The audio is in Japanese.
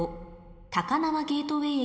高輪ゲートウェイ駅